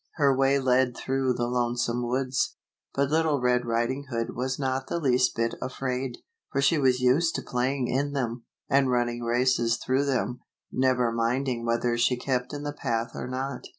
Her way led through the lonesome woods, but Little Red Riding Hood was not the least bit afraid, for she was used to paying in them, and running races through them, never minding whether she kept in the path or not.